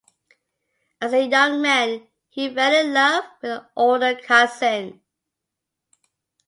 As a young man he fell in love with an older cousin.